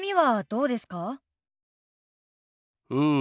うん。